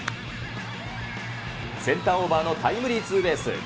センターオーバーのタイムリーツーベース。